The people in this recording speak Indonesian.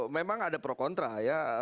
memang ada pro kontra ya